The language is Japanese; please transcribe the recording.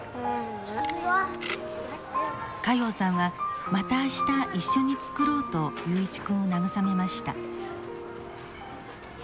加用さんはまた明日一緒に作ろうと雄一君を慰めました。